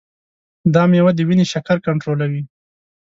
دا میوه د وینې شکر کنټرولوي.